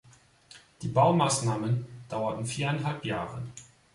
Die Baumaßnahmen dauerten viereinhalb Jahre.